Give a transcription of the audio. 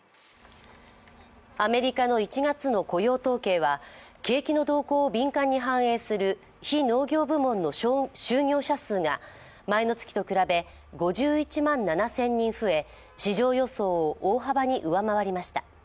アメリカの１月の雇用統計は景気の動向を敏感に反映する非農業部門の就業者数が前の月と比べ５１万７０００人増え、市場予想を大幅に上回りました。